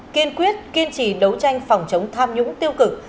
kiên quyết kiên trì đấu tranh phòng chống tham nhũng tiêu cực